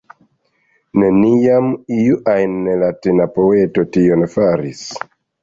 Neniam iu ajn Latina poeto tion faris!